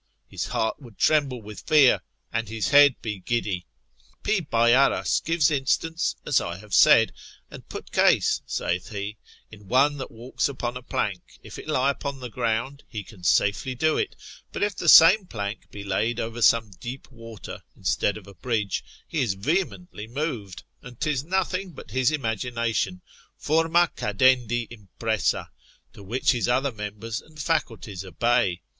His heart would tremble for fear, and his head be giddy. P. Byaras, Tract. de pest. gives instance (as I have said) and put case (saith he) in one that walks upon a plank, if it lie on the ground, he can safely do it: but if the same plank be laid over some deep water, instead of a bridge, he is vehemently moved, and 'tis nothing but his imagination, forma cadendi impressa, to which his other members and faculties obey.